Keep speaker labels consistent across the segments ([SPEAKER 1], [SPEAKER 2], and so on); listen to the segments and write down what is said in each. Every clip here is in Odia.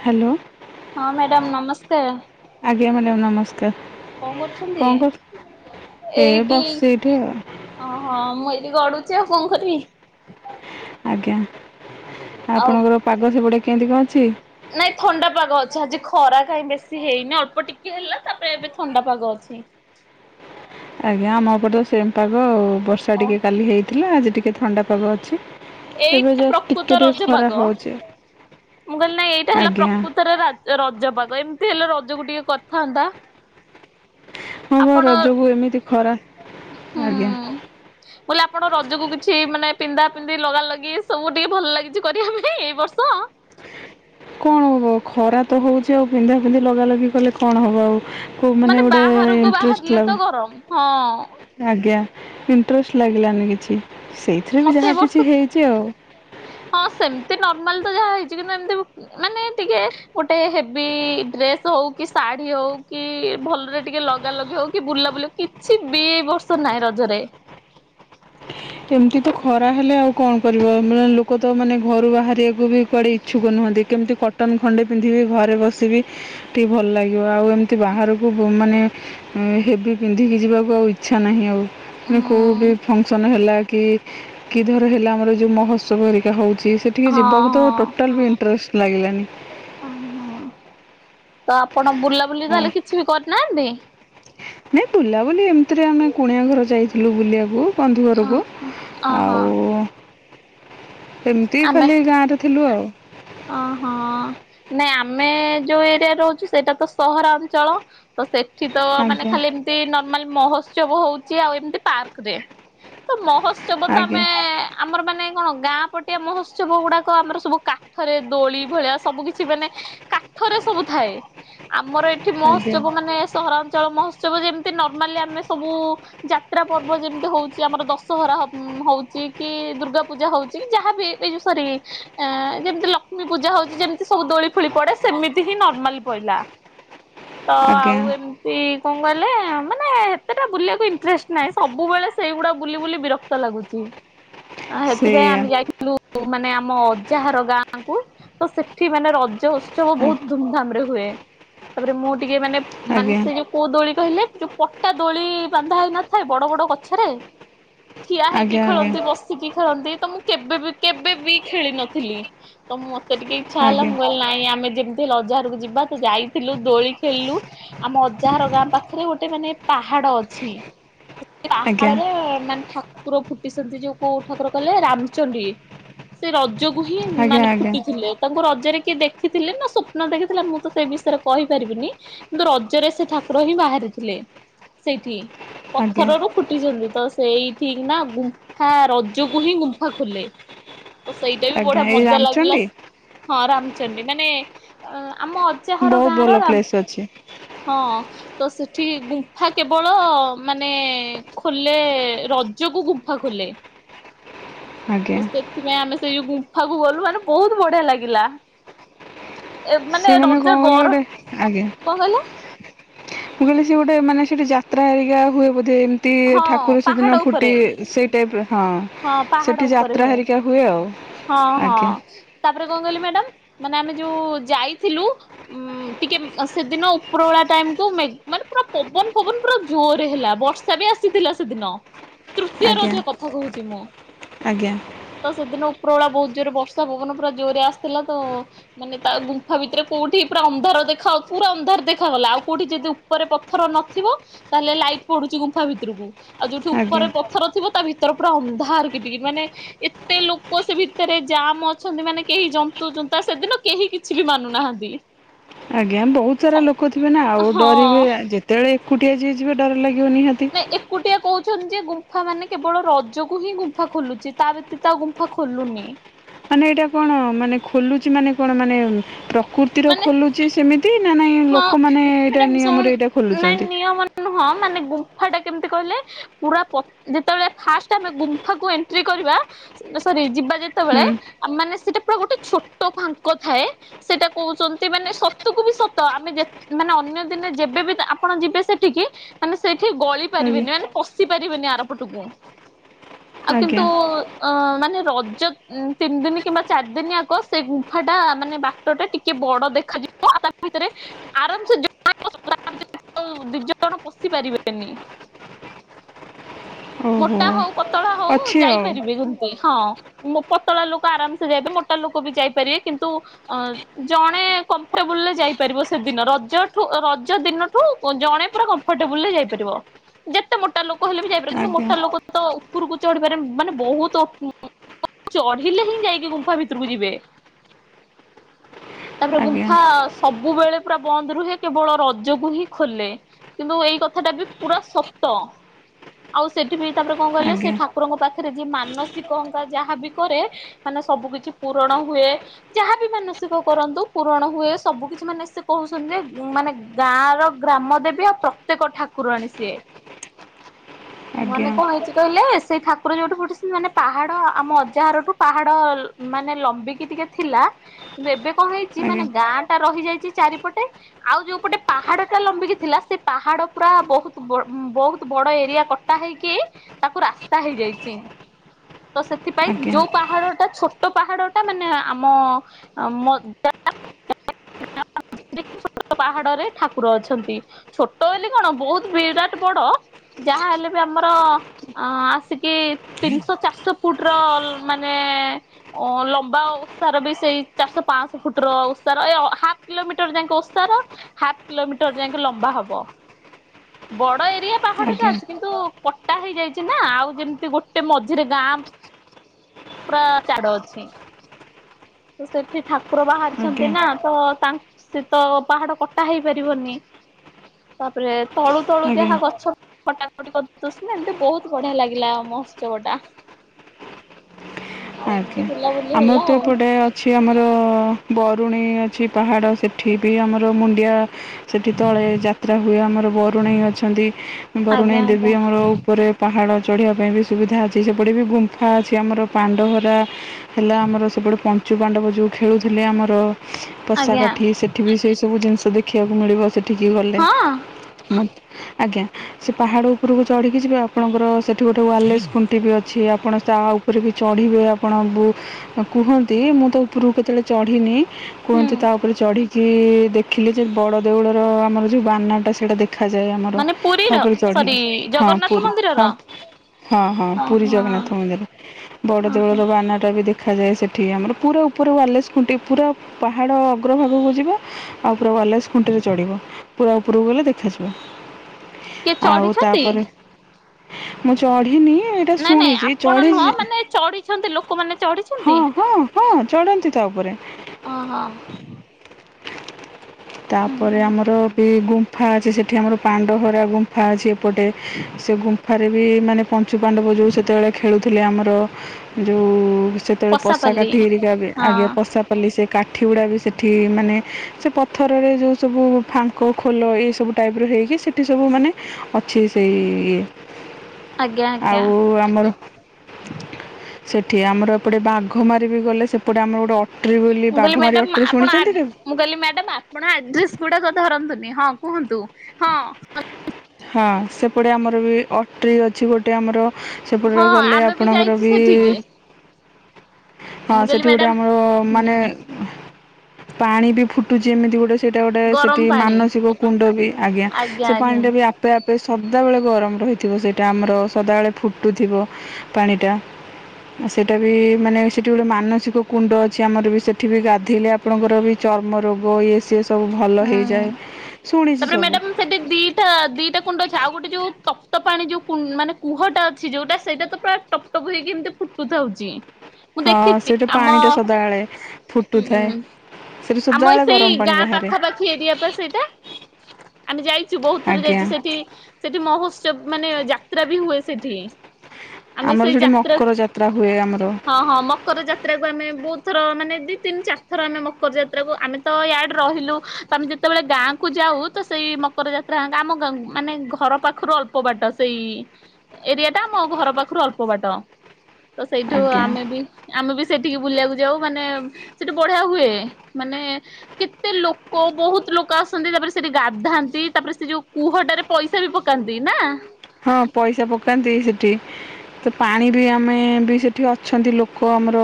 [SPEAKER 1] ହ୍ୟାଲୋ
[SPEAKER 2] ହଁ ମ୍ୟାଡ଼ାମ ନମସ୍କାର।
[SPEAKER 1] ଆଜ୍ଞା ମ୍ୟାଡ଼ାମ ନମସ୍କାର।
[SPEAKER 2] କଣ କରୁଛନ୍ତି?
[SPEAKER 1] କ'ଣ କରୁ ଏ ବସିଛି ଏଇଠି ଆଉ
[SPEAKER 2] [inaudible] ହଁ ହଁ ମୁଁ ଏଇଠି ଗଡୁଛି ଆଉ କଣ କରିବି।
[SPEAKER 1] ଆଜ୍ଞା ଆଉ
[SPEAKER 2] ଆଉ
[SPEAKER 1] ଆପଣଙ୍କର ପାଗ ସେପଟେ କେମିତି କଣ ଅଛି?
[SPEAKER 2] ନାଇଁ ଥଣ୍ଡା ପାଗ ଅଛି ଆଜି ଖରା କାଇଁ ବେଶୀ ହେଇନି ଅଳ୍ପ ଟିକେ ହେଲା ତାପରେ ଏବେ ଥଣ୍ଡା ପାଗ ଅଛି।
[SPEAKER 1] ଆଜ୍ଞା ଆମ ଏପଟେ ସେମ୍ ପାଗ ଆଉ ବର୍ଷା
[SPEAKER 2] ଓ
[SPEAKER 1] ଟିକେ କାଲି ହେଇଥିଲା ଆଜି ଟିକେ ଥଣ୍ଡା ପାଗ ଅଛି। ଏବେ
[SPEAKER 2] ଏଇଟା
[SPEAKER 1] ଜଷ୍ଟ
[SPEAKER 2] ପ୍ରକୃତ
[SPEAKER 1] ଟିକେ
[SPEAKER 2] ରଜ
[SPEAKER 1] ଟିକେ ଖରା
[SPEAKER 2] ପାଗ।
[SPEAKER 1] ହୋଉଚି।
[SPEAKER 2] ମୁଁ କହିଲି ନାଁଇ ଏଇଟା ହେଲା ପ୍ରକୃତରେ ରା ଏ ରଜ ପାଗ ଏମିତି ହେଲେ ରଜକୁ ଟିକେ କରିଥାନ୍ତା।
[SPEAKER 1] ହଁ ବା
[SPEAKER 2] ଆପଣ
[SPEAKER 1] ରଜକୁ ଏମିତି ଖରା
[SPEAKER 2] ହୁଁ।
[SPEAKER 1] ଆଜ୍ଞା।
[SPEAKER 2] ମୁଁ କହିଲି ଆପଣଙ୍କ ରଜକୁ କିଛି ମାନେ ପିନ୍ଧା ପିନ୍ଧି ଲଗା ଲଗି ସବୁ ଟିକେ ଭଲ ଲାଗିଛି କରିବା ପାଇଁ ଏଇ ବର୍ଷ
[SPEAKER 1] କଣ ହବ ଖରା ତ ହୋଉଚି ଆଉ ପିନ୍ଧା ଫିନ୍ଧି ଲଗା ଲଗି କଲେ କଣ ହବ ଆଉ। କୋଉ ମାନେ ଗୋଟେ
[SPEAKER 2] ବାହାରକୁ ବାହାରିଲେ
[SPEAKER 1] ଇଣ୍ଟ୍ରେଷ୍ଟ ଆଉ।
[SPEAKER 2] ତ ଗରମ ହଁ
[SPEAKER 1] ଆଜ୍ଞା ଇଣ୍ଟରେଷ୍ଟ ଲାଗିଲାନି କିଛି ସେଇଥିରେ ବି
[SPEAKER 2] ମତେ ଏ
[SPEAKER 1] ଯାହା
[SPEAKER 2] ବର୍ଷ
[SPEAKER 1] କିଛି ହେଇଛି ଆଉ
[SPEAKER 2] ହଁ ସେମିତି ନର୍ମାଲ ତ ଯାହା ହେଇଛି କିନ୍ତୁ ଏମିତି ମାନେ ଟିକେ ଗୋଟେ ହେଭି ଡ୍ରେସ୍ ହୋଉ କି ଶାଢୀ ହୋଉ କି ଭଲରେ ଟିକେ ଲ ଲଗା ଲଗି ହୋଉ କି ବୁଲା ବୁଲି କିଛି ବି ଏ ବର୍ଷ ନାହିଁ ରଜରେ।
[SPEAKER 1] କେମତି ତ ଖରା ହେଲେ ଆଉ କଣ କରିବ ଲୋକ ତ ମାନେ ଘରୁ ବାହାରିବାକୁ ବି କୁଆଡେ ଇ ଛୁକି ନୁହନ୍ତି କେମିତି କଟନ ଖଣ୍ଡେ ପିନ୍ଧିବି ଘରେ ବସିବି ଟିକେ ଭଲ ଲାଗିବ ଆଉ ଏମିତି ବାହାରକୁ ବୁ ମାନେ ହୁଁ ହେଭି ପିନ୍ଧିକି ଯିବାକୁ ଆଉ ଇଚ୍ଛା ନାହିଁ ଆଉ
[SPEAKER 2] ଉଁ
[SPEAKER 1] ମାନେ କୋଉ ବି ଫଙ୍କସନ୍ ମାନେ ହେଲା କି କି ଧର ହେଲା ଆମର ଯୋଉ ମହୋତ୍ସବ ହେରିକା ହଉଛି ସେ ଟିକେ
[SPEAKER 2] ହଁ
[SPEAKER 1] ଯିବାକୁ ତ
[SPEAKER 2] ହଁ।
[SPEAKER 1] ଟୋଟାଲ୍ ବି ଇଣ୍ଟରେଷ୍ଟ ଲାଗିଲାନି।
[SPEAKER 2] ଓହୋ ତ ଆପଣ ବୁଲାବୁଲି ତାହେଲେ କିଛି ବି କରିନାହାନ୍ତି?
[SPEAKER 1] ନାଇଁ ବୁଲାବୁଲି ଏମିତିରେ ଆମେ କୁଣିଆ ଘର ଯାଇଥିଲୁ ବୁଲିବାକୁ। ବନ୍ଧୁ ଘରକୁ
[SPEAKER 2] ଓହୋ ଓହୋ
[SPEAKER 1] ଆଉ ସେମିତି
[SPEAKER 2] ଆମେ
[SPEAKER 1] ଖାଲି ଗାଁ ରେ ଥିଲୁ ଆଉ।
[SPEAKER 2] ଓହୋ ନାଇଁ ଆମେ ଯୋଉ ଏରିଆରେ ରହୁଛୁ ସେଇଟା ତ ସହରାଞ୍ଚଳ। ତ ସେଠି ତ ମାନେ
[SPEAKER 1] ଆଜ୍ଞା
[SPEAKER 2] ଖାଲି ଏମ୍‌ତି ନର୍ମାଲ ମହୋତ୍ସବ ହଉଛି ଆଉ ଏମିତି ପାର୍କରେ। ତ ମହୋତ୍ସବ ତ
[SPEAKER 1] ଆଜ୍ଞା।
[SPEAKER 2] ଆମେ ଆମର ମାନେ କଣ ଗାଁ ପଟିଆ ମହୋତ୍ସବ ଗୁଡାକ ଆମର ସବୁ କା କାଠରେ ଦୋଳି ଭଳିଆ ସବୁ କିଛି ମାନେ କାଠରେ ସବୁ ଥାଏ। ଆମର ଏ ଏଠି
[SPEAKER 1] ଆଜ୍ଞା।
[SPEAKER 2] ମହୋତ୍ସବ ମାନେ ସହରାଞ୍ଚଳ ମହୋତ୍ସବ ଯେମିତି ନର୍ମାଲି ଆମେ ସବୁ ଯାତ୍ରା ପର୍ବ ଯେମିତି ହଉଛି ଆମର ଦଶହରା ଉଁ ହଉଛି କି ଦୁର୍ଗା ପୂଜା ହଉଛି ଯାହାବି ଏ ଯୋଉ ସରି ଆଁ ଯେମିତି ଲକ୍ଷ୍ମୀ ପୂଜା ହଉଛି ଯେମିତି ସବୁ ଦୋଳି ଫୋଳି ପଡେ ସେମିତି ହିଁ ନର୍ମାଲ ପଇଲା। ତ
[SPEAKER 1] ଆଜ୍ଞା
[SPEAKER 2] ଆଉ ଏମ୍ ସେ କଣ କହଲେ ମାନେ ଏତେଟା ବୁଲିବାକୁ ଇଣ୍ଟରେଷ୍ଟ ନାହିଁ। ସବୁବେଳେ ସେଇଗୁଡା ବୁଲି ବୁଲି ବିରକ୍ତ କ ଲାଗୁଛି।
[SPEAKER 1] ହଁ [inaudible]
[SPEAKER 2] ହାଁ ସେଥିପାଇଁ ଆମେ ଯାଇଥିଲୁ ମାନେ ଆମ ଅଜାଘର। ଗାଁ କୁ ତ ସେଠି ମାନେ ରଜ ଉତ୍ସବ
[SPEAKER 1] ଆଜ୍ଞା
[SPEAKER 2] ବହୁତ ଧୁମଧାମ ରେ ହୁଏ। ତାପରେ ମୁଁ ଟିକେ ମାନେ
[SPEAKER 1] ଆଜ୍ଞା
[SPEAKER 2] ସେ ଯୋଉ କୋଉ ଦୋଳି କହିଲେ ଯୋଉ ପଟା ଦୋଳି ବାନ୍ଧା ହେଇନଥାଏ ବଡ ବଡ ଗଛରେ? ଠିଆ ହେଇକି
[SPEAKER 1] ଆଜ୍ଞା
[SPEAKER 2] ଖେଳନ୍ତି ବସିକି ଖେଳନ୍ତି ତ ମୁଁ କେବେ ବି କେବେ ବି ଖେଳି ନଥିଲି। ତ ମୋତେ ଟିକେ ଇଚ୍ଛା ହେଲା
[SPEAKER 1] ଆଜ୍ଞା।
[SPEAKER 2] ମୁଁ କହିଲି ନାଇଁ ଆମେ ଯେମିତି ଅଜାଘର ରକୁ ଯିବା ତ ଯାଇଥିଲୁ ଦୋଳି ଖେଳିଲୁ। ଆମ ଅଜାଘର ଗାଁ ପାଖରେ ଗୋଟେ ମାନେ ପାହାଡ ଅଛି।
[SPEAKER 1] ଆଜ୍ଞା
[SPEAKER 2] ପାହାଡ଼ ରେ ମାନେ ଠାକୁ ଠାକୁର ଫୁଟିଛନ୍ତି ଯୋଉ କୋଉ ଠାକୁର କହିଲେ ରାମଚଣ୍ଡୀ। ସେ ରଜକୁ ହି
[SPEAKER 1] ଆଜ୍ଞା
[SPEAKER 2] ମାନେ
[SPEAKER 1] ଆଜ୍ଞା
[SPEAKER 2] ଫୁଟିଥିଲେ। ତାଙ୍କୁ ରଜରେ କିଏ ଦେଖିଥିଲେ ନା ସ୍ୱପ୍ନ ଦେଖିଥିଲା ମୁଁ ତ ସେ ବିଷୟରେ କହିପାରିବିନି। କିନ୍ତୁ ରଜରେ ସେ ଠାକୁର ହିଁ ବାହାରିଥିଲେ ସେଇଠି
[SPEAKER 1] ଆଜ୍ଞା
[SPEAKER 2] ପଥରରୁ। ଫୁଟିଛନ୍ତି ତ ସେଇଠିକ ନାଁ ରଜକୁ ହିଁ ଗୁମ୍ଫା ଖୋଲେ। ଓ ସେଇଟା ବି
[SPEAKER 1] ଆଜ୍ଞା
[SPEAKER 2] ବଢିଆ
[SPEAKER 1] ଏଇ
[SPEAKER 2] ମଜା ଲାଗିଲା।
[SPEAKER 1] ରାମଚଣ୍ଡୀ
[SPEAKER 2] ହଁ ରାମଚଣ୍ଡୀ ମାନେ ଆମ ଅଜାଘର
[SPEAKER 1] ବହୁତ
[SPEAKER 2] ଗାଁ
[SPEAKER 1] ଭଲ
[SPEAKER 2] ରାମ
[SPEAKER 1] ପ୍ଲେସ୍ ଅଛି
[SPEAKER 2] ହଁ। ତ ସେଠି ଗୁମ୍ଫା କେବଳ ମାନେ ଖୋଲେ ରଜକୁ ଗୁମ୍ଫା ଖୋଲେ।
[SPEAKER 1] ହ [inaudible]
[SPEAKER 2] ତ ସେଥିପାଇଁ ଆମେ ସେଇ ଯୋଉ ଗୁମ୍ଫାକୁ ଗଲୁ ମାନେ ବୋହୁତ ବଢିଆ ଲାଗିଲା। ଏବ ମାନେ
[SPEAKER 1] ସେମାନେ କଣ
[SPEAKER 2] ରଜ
[SPEAKER 1] କହିଲେ
[SPEAKER 2] ଗରମ
[SPEAKER 1] ଗୋଟେ ଆଜ୍ଞା
[SPEAKER 2] କଣ କହିଲେ?
[SPEAKER 1] ମୁଁ କହିଲି ସେ ଗୋଟେ ମାନେ ସେଠି ଯାତ୍ରା ହେରିକା ହୁଏ ବୋଧେ? ତିି
[SPEAKER 2] ହଁ
[SPEAKER 1] ଠାକୁର ସେଦିନ
[SPEAKER 2] ପାହାଡ
[SPEAKER 1] ଫୁଟି
[SPEAKER 2] ଉପରେ
[SPEAKER 1] ସେଇ ଟାଇପର ହଁ।
[SPEAKER 2] ହଁ ପାହାଡ
[SPEAKER 1] ସେଠି
[SPEAKER 2] ଉପରେ
[SPEAKER 1] ଯାତ୍ରା ହେରିକା ହୁଏ ଆଉ
[SPEAKER 2] ହଁ ହଁ
[SPEAKER 1] ଆଜ୍ଞା।
[SPEAKER 2] ତାପରେ କଣ କହିଲି ମ୍ୟାଡାମ ମାନେ ଆମେ ଯୋଉ ଯାଇଥିଲୁ ଉଁ ଟିକେ ସେଦିନ ଉପରବେଳା ଟାଇମକୁୁ ମାନେ ପୁରା ପବନ ପବନ ପୁରା ଜୋରରେ ହେଲା ବର୍ଷ ର୍ଷା ବି ଆସିଥିଲା ସେଦିନ ତୃତୀୟ
[SPEAKER 1] ଆଜ୍ଞା
[SPEAKER 2] ରଜ କଥା କହୁଚି ମୁଁ।
[SPEAKER 1] ଆଜ୍ଞା
[SPEAKER 2] ତ ସେଦିନ ଉପ୍ରବେଳା ବୋହୁତ ଜୋରେ ବର୍ଷା ପବନ ପୁରା ଜୋରରେ ଆସିଥିଲା ତ ମାନେ ତା ଗୁମ୍ଫା ଭିତରେ କୋଉଠି ପୁରା ଅନ୍ଧାର ଦେଖା ପୁରା ଅନ୍ଧାର ଦେଖାାଗଲା ଆଉ କୋଉଠି ଯଦି ଉ ଉପରେ ପଥର ନଥିବ ତାହେଲେ ଲାଇଟ୍ ପଡୁଚି ଗୁମ୍ଫା ଭିତରକୁ। ଆଉ ଯୋଉଠି
[SPEAKER 1] ଆଜ୍ଞା।
[SPEAKER 2] ଉପରେ ପଥର ଥିବ ତା ଭିତରେ ପୁରା ଅନ୍ଧା କିଟି କିଟି ମାନେ ଏତେ ଲୋକ ସେ ଭିତରେ ଜାମ୍ ଅଛନ୍ତି ମାନେ କେହି ଜନ୍ତୁ ଜୁତା ସେଦିନ କେହି କି କିଛି ବି ମାନୁ ନାହାନ୍ତି।
[SPEAKER 1] ଆଜ୍ଞା ବୋହୁତ ସାରା ଲୋକ ଥିବେ ନା ଆଉ
[SPEAKER 2] ହଁ
[SPEAKER 1] ଡରିବେ ଯେତେବେଳେ କୁଟି ଆଯି ହେଇଯିବେ ଡର ଲାଗିବ ନିହାତି।
[SPEAKER 2] କୁଟିଏ କୋହୁଚନ୍ତି ଯେ ଗୁମ୍ଫା ମାନେ କେବଳ ରଜକୁ ହିଁ ଗୁମ୍ଫା ଖୋଲୁଚି ତା ବ୍ୟତୀରେ ଆଉ ଗୁମ୍ଫା ଖୋଲୁନି।
[SPEAKER 1] ମାନେ ଏଇଟା କଣ ମାନେ ଖୋଲୁଚି ମାନେ କଣ ମାନେ ପ୍ରକୃତିର
[SPEAKER 2] ମାନେ
[SPEAKER 1] ଖୋଲୁଚି ସେମିତି ନା ନାଇଁ
[SPEAKER 2] ହଁ
[SPEAKER 1] ଲୋକମାନେ ଏଇଟା ନିୟମରେ ଏଇଟା
[SPEAKER 2] ନାଇଁ
[SPEAKER 1] ଖୋଲୁଚନ୍ତି?
[SPEAKER 2] ନିୟମ ନୁହଁ ମାନେ ଗୁମ୍ଫା ଟା କେମିତି କହିଲେ ପୁର ଯେତେବେଳେ ଫାଷ୍ଟ ଆମେ ଗୁମ୍ଫାକୁ ଏଣ୍ଟ୍ରି କରିବା ସରି ଯିବା
[SPEAKER 1] ହୁଁ
[SPEAKER 2] ଯେତେବେଳେ ମାନେ ସେଟା ପୁରା ଗୋଟେ ଛୋଟ ଫାଙ୍କ ଥାଏ। ସେଇଟା କୋହୁଚନ୍ତି ମାନେ ସତକୁ ବି ସତ ଆମେ ଯେ ମାନେ ଅନ୍ୟ ଦିନେ ଯେବେ ବି ଆପଣ ଯିବେ ସେଠିକି ମାନେ ସେଇଠି ଗଳି
[SPEAKER 1] ଆଜ୍ଞା
[SPEAKER 2] ପାରିବେନି ମାନେ ପଶି ପାରିବେନି ଆର ପଟକୁ।
[SPEAKER 1] [inaudible]
[SPEAKER 2] ଆଉ କିନ୍ତୁ ଅ ମାନେ ରଜ ତିନି ଦିନ କିମ୍ବା ଚାରି ଦିନ ଆଗ ସେ ଗୁମ୍ଫା ଟା ମାନେ ବା ଟା ଟିକେ ବଡ ଦେଖାଯିବ ଆଉ ତା ଭିତରେ ଆରାମ ସେ [unintelligible] ଯୋଉ ଦିଜ ଜଣ ପୋଷି ପାରିବେନି।
[SPEAKER 1] ଓହୋ
[SPEAKER 2] ମୋଟା ହୋଉ ପତଳା ହୋଉ
[SPEAKER 1] ଅଛି ଆଉ
[SPEAKER 2] ଯାଇପାରିବେ କେମିତି ହଁ। ପତଳା ଲୋକ ଆରାମ ସେ ଯାଇବେ ମୋଟା ଲୋକ ବି ଯାଇପାରିବେ କିନ୍ତୁ ଅ ଜଣେ କମ୍ଫର୍ଟେବୁଲରେ ଯାଇପାରିବ ସେଦିନ ରଜଠୁ ରଜ ଦିନଠୁ ଜଣେ ପୁରା କମ୍ଫଟେବୁରେ ଯାଇପାରିବ ଯେତେ ମୋଟା ଲୋକ ହେଲେ ବି ଯାଇପା
[SPEAKER 1] ଆଜ୍ଞା।
[SPEAKER 2] ତ ଉପରକୁ ଚଢିପାରିବେନି ମାନେ ବୋହୁତ ଓପ୍ ଚଢିଲେ ହିଁ ଯାଇକି ଗୁମ୍ଫା ଭିତରକୁ ଯିବେ।
[SPEAKER 1] [inaudible]
[SPEAKER 2] ତାପରେ
[SPEAKER 1] ଆଜ୍ଞା
[SPEAKER 2] ଗୁମ୍ଫା ସବୁବେଳେ ପୁରା ବନ୍ଦ ରୁହେ, କେବଳ ରଜକୁ ହିଁ ଖୋଲେ। କିନ୍ତୁ ଏଇ କଥାଟା ବି ପୁରା ସତ। ଆଉ ସେଠି ବି ତାପରେ କଣ କହିଲେ ସେ
[SPEAKER 1] ଆଜ୍ଞା
[SPEAKER 2] ଠା ଠାକୁରଙ୍କ ପାଖରେ ଯିଏ ମାନସିକ ଅଙ୍କା ଯାହାବି କରେ ମାନେ ସବୁ କିଛି ପୂରଣ ହୁଏ। ଯାହା ବି ମାନସିକ କରନ୍ତୁ ପୂରଣ ହୁଏ। ସବୁ କିଛି ମାନେ ସେ କହୁଛନ୍ତି ଯେ ମାନେ ଗାଁର ଗ୍ରାମଦେବୀ ଆଉ ପ୍ରତ୍ୟଖ ଠାକୁରାଣୀ ସିଏ। ମାନେ
[SPEAKER 1] ଆଜ୍ଞା
[SPEAKER 2] କଣ ହେଇଚି କହିଲେ ସେଇ ଠା କୁର ଯୋଉଠୁ ଫୁଠିଛନ୍ତି ମାନେ ପାହାଡ ଆମ ଅଜା ଘରଠୁ ପାହାଡ ମାନେ ଲମ୍ବିକି ଟିକେ ଥିଲା। କିନ୍ତୁ ଏବେ କଣ ହେଇଚି ମାନେ
[SPEAKER 1] ଆଜ୍ଞା
[SPEAKER 2] ଗାଁ ଟା ରହିଯାଇଚି ଚାରିପଟେ ଆଉ ଯୋଉପଟେ ପାହାଡ ଟା ଲମ୍ବିକି ଥିଲା ସେ ପାହାଡ ପୁରା ବହୁତ୍ ବ ବହୁତ୍ ବଡ ଏରିଆ କ ଟା ହେଇକି ତାକୁ ରାସ୍ତା ହେଇଯାଇଚି। ତ ସେଥିପାଇଁ
[SPEAKER 1] ଆଜ୍ଞା
[SPEAKER 2] ଯୋଉ ପାହାଡ ଟା ଛୋଟ ପାହାଡ ଟା ମାନେ ଆମ ମ। [unintelligible]
[SPEAKER 1] ହ
[SPEAKER 2] [unintelligible] ପାହାଡରେ ଠାକୁର ଅଛନ୍ତି। ଛୋଟ ବୋଲି କଣ ବହୁତ୍ ବିରାଟ ବଡ। ଯାହା ହେଲେ ବି ଆମର ଅ ଆସିକି ତିନିଶହ ଚାରିଶହ ଫୁଟ ର ମାନେ ଓ ଲମ୍ବା ଓସାର ବି ସେଇ ଚାରିଶହ ପାଞ୍ଚଶହ ଫୁଟ ର ଓସାର। ଏ ହାଫ୍ କିଲୋମିଟର ଯାଇଁକି ଓସାର। ହାଫ୍ କିଲୋମିଟର ଯାଇଁକି ଲମ୍ବା ହବ। ବଡ ଏରିଆ ପାହାଡଟା
[SPEAKER 1] ଆଜ୍ଞା।
[SPEAKER 2] ଅଛି କିନ୍ତୁ କଟା ହେଇଯାଇଚି ନା। ଆଉ ଯେମିତି ଗୋଟେ ମଝିରେ ଗାଁ [unintelligible] ଅଛି। ତ ସେଠି ଠାକୁର
[SPEAKER 1] ଆଜ୍ଞା
[SPEAKER 2] ବାହାରିଛନ୍ତି ନା। ତ ତାଙ୍କ ସେତ ପାହାଡ କଟା ହେଇପାରିବନି। ତାପରେ ତଳୁ ତଳୁ
[SPEAKER 1] ଆଜ୍ଞା।
[SPEAKER 2] ଯାହା ଗଛ କଟାକଟି କରିଦଉସନ୍ତି। ଏମିତି ବହୁତ ବଢିଆ ଲାଗିଲା ମହୋତ୍ସବ ଟା। ଆଉ ଏମିତି
[SPEAKER 1] ଆଜ୍ଞା।
[SPEAKER 2] ବୁଲାବୁଲି
[SPEAKER 1] ଆମର
[SPEAKER 2] ହେଲା
[SPEAKER 1] ତ
[SPEAKER 2] ଆଉ
[SPEAKER 1] ଏପଟେ ଅଛି ଆମର ବରୁଣେଇ ଅଛି ପାହାଡ଼। ସେଠି ବି ଆମର ମୁଣ୍ଡିଆ ସେଠି ତଳେ ଯାତ୍ରା ହୁଏ। ଆମର ବରୁଣେଇ ଅଛନ୍ତି। ବରୁଣେଇ
[SPEAKER 2] ଆଜ୍ଞା
[SPEAKER 1] ଦେବୀ
[SPEAKER 2] ଆଜ୍ଞା
[SPEAKER 1] ଆମର ଉପରେ ପାହାଡ଼ ଚଢ଼ିବା ପାଇଁ ବି ସୁବିଧା ଅଛି। ସେପଟେ ବି ଗୁମ୍ଫା ଅଛି ଆମର ପାଣ୍ଡହରା ହେଲା ଆମର ସେପଟେ ପଞ୍ଚୁ ପାଣ୍ଡବ ଯୋଉ ଖେଳୁଥିଲେ ଆମର ପଷା
[SPEAKER 2] ଆଜ୍ଞା
[SPEAKER 1] କାଠି, ସେଠି ବି ସେଇ ସବୁ ଜିନିଷ ଦେଖିବାକୁ ମିଳିବ ସେଠିକି ଗଲେ।
[SPEAKER 2] ହଁ
[SPEAKER 1] ଆଜ୍ଞା। ସେ ପାହାଡ ଉପରକୁ ଚଢିକି ଯିବେ ଆପଣଙ୍କର ସେଠି ଗୋଟେ ୱାରଲେସ ଖୁଣ୍ଟି ବି ଅଛି। ଆପଣ ତା ଉ ଉପରେ ବି ଚଢ଼ିବେ ଆପଣ ବୋ କୁହନ୍ତି ମୁଁ ତ ଉପରକୁ କେତେବେଳେ ଚଢ଼ିନି
[SPEAKER 2] ହୁଁ
[SPEAKER 1] କୁହନ୍ତି ତା ଉପରେ ଚଢିକି ଦେଖିଲି ଯେ ବଡ ଦେଉଳର ଆମର ଯୋଉ ବାନାଟା ସେଇଟା ଦେ ଦେଖାଯାଏ ଆମର।
[SPEAKER 2] ମାନେ ପୁରୀର
[SPEAKER 1] ତାପରେ
[SPEAKER 2] ସରି
[SPEAKER 1] ଚଢିଲେ। ହଁ
[SPEAKER 2] ଜଗନ୍ନାଥ
[SPEAKER 1] ପୁରୀ
[SPEAKER 2] ମନ୍ଦିରର
[SPEAKER 1] ହଁ ହଁ ହଁ ପୁରୀ
[SPEAKER 2] ଓହୋ
[SPEAKER 1] ଜଗନ୍ନାଥ ମନ୍ଦିର। ବଡ ଦେଉଳ
[SPEAKER 2] ଓହୋ
[SPEAKER 1] ର ବା ବାନା ଟା ବି ଦେଖାଯାଏ ସେଠି। ଆମର ପୁରା ଉପରେ ୱାର୍ଲେସ୍ ଖୁଣ୍ଟି ପୁରା ପାହାଡ଼ ଅଗ୍ରଭାଗକୁ ଯିବେ ଅଗ୍ର ୱାର୍ଲେସ୍ ଖୁଣ୍ଟିରେ ଚଢ଼ିବ। ପୁରା ଉପରକୁ ଗଲେ ଦେଖାଯିବ।
[SPEAKER 2] କିଏ
[SPEAKER 1] ଆଉ
[SPEAKER 2] ଚଢିଛନ୍ତି?
[SPEAKER 1] ତାପରେ ମୁଁ ଚଢ଼ିନି। ଏଇଟା
[SPEAKER 2] ନାଇଁ ନାଇଁ
[SPEAKER 1] ଶୁଣିଚି।
[SPEAKER 2] ଆପଣ ନୁହଁ
[SPEAKER 1] ଚଢିଚି
[SPEAKER 2] ମାନେ ଚଢିଛନ୍ତି ଲୋକମାନେ ଚଢିଛନ୍ତି?
[SPEAKER 1] ହଁ ହଁ ଚଢନ୍ତି ତା ଉପରେ।
[SPEAKER 2] ଅ ହଁ।
[SPEAKER 1] ତାପରେ ଆମର ବି ଗୁମ୍ ଗୁମ୍ଫା ଅଛି ସେଠି ଆମର ପାଣ୍ଡହରା ଗୁମ୍ଫା ଅଛି ଏପଟେ। ସେ ଗୁମ୍ଫାରେ ବି ମାନେ ପଞ୍ଚୁ ପାଣ୍ଡବ, ଯଉ ସେତେବେଳେ ଖେଳୁଥିଲେ ଆମର ଯୋଉ ସେତେବେଳେ ପଷା
[SPEAKER 2] ପଶାପାଲି
[SPEAKER 1] କାଠି ହେରିକା
[SPEAKER 2] ହଁ
[SPEAKER 1] ଆଗେ ପଷା କଲି ସେ କାଠିଗୁଡାକ ବି ସେଠି ମାନେ। ସେ ପ ପଥରରେ ଯଉସବୁ ଫାଙ୍କ ଖୋଲ ଏଇସବୁ ଟାଇପର୍ ହେଇକି ସେଠି ସବୁ ମାନେ ଅଛି ସେଇ ଇଏ
[SPEAKER 2] ଆଜ୍ଞା ଆଜ୍ଞା।
[SPEAKER 1] ଆଉ ଆମର ସେଠି ଆମର, ଏପଟେ ବାଘ ମାରି ବି ଗଲେ ସେପଟେ ଆମର ଗୋଟେ ଅ ଅଟ୍ରି ବୋଲି,
[SPEAKER 2] ମୁଁ କହିଲି
[SPEAKER 1] ବାଘମାରୀ
[SPEAKER 2] ମ୍ୟାଡାମ
[SPEAKER 1] ଅଟ୍ରି
[SPEAKER 2] ଆପଣ ଆ
[SPEAKER 1] ଶୁଣିଛନ୍ତି କେବେ?
[SPEAKER 2] ମୁଁ କହିଲି ମ୍ୟାଡ଼ାମ, ଆପଣ ଆଡ୍ରେସ୍ ଗୁଡାକ ଧରନ୍ତୁନି ହଁ କୁହନ୍ତୁ ହଁ।
[SPEAKER 1] ହଁ ସେପଟେ ଆମର ବି ଅଟ୍ରି, ଅଛି। ଗୋଟେ ଆମର ସେପଟେ
[SPEAKER 2] ହଁ
[SPEAKER 1] ଗଲେ
[SPEAKER 2] ଆମେ
[SPEAKER 1] ଆପଣଙ୍କର
[SPEAKER 2] ଯାଇଛୁ
[SPEAKER 1] ବି
[SPEAKER 2] ସେଠିକି
[SPEAKER 1] ହଁ,
[SPEAKER 2] ମୁଁ କହିଲି
[SPEAKER 1] ସେଠି ଗୋଟେ
[SPEAKER 2] ମ୍ୟାଡାମ
[SPEAKER 1] ଆମର
[SPEAKER 2] ହୁଁ
[SPEAKER 1] ମାନେ ପାଣି ବି ଫୁଟୁଛି ଏମିତି ଗୋଟେ ସେଇଟା ଗୋଟେ
[SPEAKER 2] ଗରମ
[SPEAKER 1] ସେଠି
[SPEAKER 2] ପାଣି
[SPEAKER 1] ମାନସିକ କୁଣ୍ଡ, ବି ଆଜ୍ଞା ସେ ପାଣିଟା ବି ଆପେ ଆପେ ସଦାବେଳେ ଗରମ, ରହିଥିଵ ସେଇଟା। ଆମର ସଦାବେଳେ ଫୁଟୁଥିବ ପାଣିଟା। ସେଇଟା ବି ମାନେ ସେଇଠି ଗୋଟେ ମାନସିକ କୁଣ୍ଡ, ଅଛି ଆମର ବି। ସେଠି ବି ଗାଧେଇଲେ ଆପ ଆପଣଙ୍କର ବି ଚର୍ମ ରୋଗ ଇଏ ସିଏ ସବୁ ଭଲ
[SPEAKER 2] ହୁଁ।
[SPEAKER 1] ହେଇଯାଏ ଶୁଣିଛି ସବୁ।
[SPEAKER 2] ସେଟା ଦିଟା କୁଣ୍ଡ ଅଛି ଆଉ ଗୋଟେ ଯୋଉ ତପତ ତପ୍ତପାଣି ଯୋଉ ମାନେ କୁ କୁହଟା ଅଛି ଯୋଉଟା ସେଇଟା ତ ପୁରା ଟପ୍ ଟପ୍ ହେଇକି ଏମିତି ଫୁଟୁ ଥାଉଛି। ମୁଁ
[SPEAKER 1] ହଁ
[SPEAKER 2] ଦେଖିଛି
[SPEAKER 1] ସେଇଟା
[SPEAKER 2] ଆମଁ
[SPEAKER 1] ପାଣିଟା ସଦାବେଳେ ଫୁଟୁଥାଏ ସେଠି
[SPEAKER 2] ଆମ ସେଇ
[SPEAKER 1] ସଦାବେଳେ ଗରମ
[SPEAKER 2] ସେଇ
[SPEAKER 1] ପାଣି
[SPEAKER 2] ଗାଁ ପାଖ
[SPEAKER 1] ବାହାରେ
[SPEAKER 2] ପାଖା ପାଖି ଏରିଆ ପା ସେଇଟା। ଆମେ ଯାଇଛୁ ବହୁତ ଥର
[SPEAKER 1] ଆଜ୍ଞା
[SPEAKER 2] ଯାଇଛୁ ସେଠି ସେଠି ମହୋତ୍ସବ। ମାନେ ଯାତ୍ରା ବି ହୁଏ ସେଠି। ଆମେ
[SPEAKER 1] ଆମର
[SPEAKER 2] ସେଇ
[SPEAKER 1] ସେଠି
[SPEAKER 2] ଯାତ୍ରା
[SPEAKER 1] ମକର ଯାତ୍ରା ହୁଏ ଆମର
[SPEAKER 2] ହଁ ହଁ ମ ମକର ଯାତ୍ରା କୁ ଆମେ ବହୁତ ଥର ମାନେ ଦୁଇ ତିନି ଚାରି ଥର ଆମେ ମକର ଯାତ୍ରାକୁ ଆମେ ତ ୟାଡେ ରହିଲୁ ତ ଆମେ ଯେତେବେଳେ ଗାଁ କୁ ଯାଉ, ତ ସେଇ ମକର ଯାତ୍ରା ହାଙ୍କା ଆମ ଗାଁ କୁ, ମାନେ ଘର ପାଖରୁ ଅଳ୍ପ ଅଳ୍ପ ବାଟ ସେଇ ଏରିଆ ଟା, ଆମ ଘର ପାଖରୁ ଅଳ୍ପ ବାଟ। ତ ସେଇଠୁ
[SPEAKER 1] ଆଜ୍ଞା
[SPEAKER 2] ଆମେ ବି ଆମେ ବି ସେଠିକି ବୁଲିବାକୁ ଯାଉ, ମାନେ ସେଠି ବଢିଆ ହୁଏ ମାନେ କେତେ ଲୋ କୋଉ ବହୁତ ଲୋକ ଆସନ୍ତି, ତାପରେ ସେଠି ଗାଧାନ୍ତି ତାପରେ ସେ ଯୋଉ କୁହଟାରେ ପଇସା ବି ପକାନ୍ତି ନା।
[SPEAKER 1] ହଁ ପଇସା ପକାନ୍ତି ସେଠି। ସେ ପାଣିରେ ଆମେ ବି ସେଠି ଅଛନ୍ତି ଲୋକ, ଆମର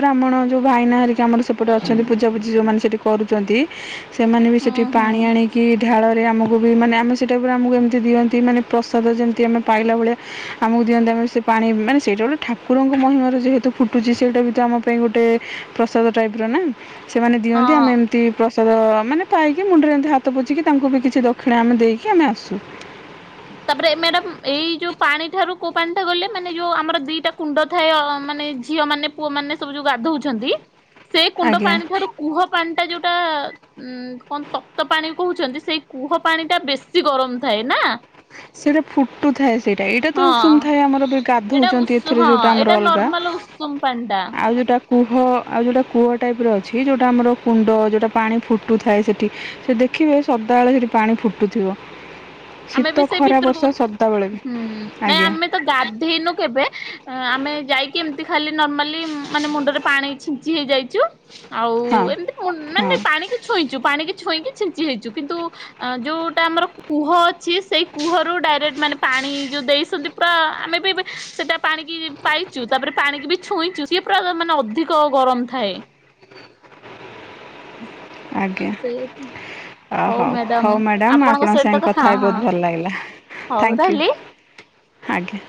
[SPEAKER 1] ବ୍ରାହ୍ମଣ ଯୋଉ ଭାଇନା ହେରି ଆମର ସେପଟେ ଅଛନ୍ତି ପୂଜା ପୁଜିି ଯଉମାନେ ସେଠି କରୁଛନ୍ତି, ସେମାନେ ବି ସେଠି
[SPEAKER 2] ହୁଁ ହୁଁ।
[SPEAKER 1] ପାଣି ଆଣିକି କି ଢାଳରେ ଆମକୁ ବି ମାନେ ଆମେ ସେଇଟାଇ ଉପରେ ଆମକୁ ଏମିତି ଦିଅନ୍ତି, ମାନେ ପ୍ରସାଦ, ଯେମିତି ଆମେ ପାଇଲା ଭଳିଆ ଆମକୁ ଦିଅନ୍ତି, ଆମେ ସେ ପାଣି ମାନେ ସେଇଟା ଗୋଟେ ଠାକୁରଙ୍କ ମହିମା ରୁ ଯେହେତୁ ଫୁଟୁଚି, ସେଇଟା ବି ତ ଆମ ପାଇଁ ଗୋଟେ ପ୍ରସାଦ, ଟାଇପ ର ନା ସେମାନେ
[SPEAKER 2] ହଁ
[SPEAKER 1] ଦିଅନ୍ତି ଆମେ ଏମ ନୀତି ପ୍ରସାଦ ମାନେ ପାଇକି। ମୁଣ୍ଡରେ ଏମିତି ହାତ ପୋଛିିକି ତାଙ୍କୁ ବି କିଛି ଦକ୍ଷିଣା ଆମେ ଦେଇକି ଆମେ ଆସୁ।
[SPEAKER 2] ତାପରେ ମ୍ୟାଡାମ, ଏଇ ଯୋଉ ପାଣି ଠାରୁ କୋଉ ପାଣି ଟା ଗଲେ ମାନେ ଯୋଉ ଆମର ଦିଟା କୁଣ୍ଡ ଥାଏ ମାନେ ଝିଅ ମାନେ ପୁଅ ମାନେ ସବୁ ଯୋଉ ଗାଧଉଛନ୍ତି, ସେ କୁଣ୍ଡ
[SPEAKER 1] ଆଜ୍ଞା
[SPEAKER 2] ପାଣି ଠାରୁ କୁହ ପାଣିଟା ଯୋଉଟା ଉମ କଣ, ତକ୍ତ ପାଣି କହୁଛନ୍ତି। ସେଇ କୂହ ପାଣି ଟା ବେଶୀ ଗରମ ଥାଏ ନା।
[SPEAKER 1] ସେଇଟା। ଫୁଟୁଥାଏ ସେଇଟା ଏଇଟା ତ ଉଷୁମ
[SPEAKER 2] ହଁ
[SPEAKER 1] ଥାଏ, ଆମର ବି ଗାଧଉଛନ୍ତି। ଏଥିରେ ଯୋଉଟା ଆମର ଅଲଗା।
[SPEAKER 2] ଭଲ ଉଷୁମ୍ ପାଣିଟା।
[SPEAKER 1] ଆଉ ଯୋଉଟା କୂହ ଆଉ ଯୋଉଟା କୂଅ ଟାଇପ୍ ର ଅଛି ଯୋଉଟା ଆମର କୁଣ୍ଡ ଯୋଉଟା ପାଣି ଫୁଟୁଥାଏ ସେଠି, ସେ ଦେ ଖିବେ ସଦାବେଳେ ସେଠି ପାଣି ଫୁଟୁଥିବ।
[SPEAKER 2] ଆମେ
[SPEAKER 1] ଶୀତ
[SPEAKER 2] ବି ସେ
[SPEAKER 1] ଖରା ବର୍ଷା
[SPEAKER 2] ଭିତୁରକୁ,
[SPEAKER 1] ସଦାବେଳେ ବି
[SPEAKER 2] ନାଇଁ
[SPEAKER 1] ଆଜ୍ଞା
[SPEAKER 2] ଆମେ ତ ଗାଧେଇନୁ କେବେ ଆମେ ଯାଇକି ଏମ୍ତି ଖାଲି ନର୍ମାଲି ମାନେ ମୁଣ୍ଡରେ ପାଣି ଛି ଞ୍ଚି ହେଇଯାଇଚୁ, ଆଉ
[SPEAKER 1] ହଁ
[SPEAKER 2] ଏମ୍ତି
[SPEAKER 1] ହଁ
[SPEAKER 2] ମାନେ ପାଣିକି ଛୁଇଁଚୁ ପାଣିିକି ଛୁଇଁକି ଛିଞ୍ଚି ହେଇଚୁ, କିନ୍ତୁ ଯୋଉଟା ଆମର କୂହ ଅଛି ସେଇ କୂହରୁ ଡାଇରେକ୍ଟ ମାନେ ପାଣି ଯୋଉ ଦେଇଛନ୍ତି ପୁରା ଆମେ ବି ସେଇଟା ପାଣିକି ପାଇଚୁ ତାପରେ ପାଣିିକି ବି ଛୁଇଁଚୁ, ସିଏ ପୁରା ମାନେ ଅଧିକ ଗରମ୍ ଥାଏ।
[SPEAKER 1] ଆଜ୍ଞା
[SPEAKER 2] ସେଇଆକୁ
[SPEAKER 1] ଅ
[SPEAKER 2] ହଉ ମ୍ୟାଡମ୍
[SPEAKER 1] ହଉ ମ୍ୟାଡ଼ାମ୍
[SPEAKER 2] ଆପଣଙ୍କ ସହିତ
[SPEAKER 1] ସାଙ୍ଗେ
[SPEAKER 2] ତ
[SPEAKER 1] କଥା ହେଇ
[SPEAKER 2] ହଁ-ହଁ
[SPEAKER 1] ବହୁତ ଭଲ ଲାଗିଲା
[SPEAKER 2] ହଉ
[SPEAKER 1] ଥ୍ୟାଙ୍କ ୟୁ
[SPEAKER 2] ରହିଲି।
[SPEAKER 1] ଆଜ୍ଞା।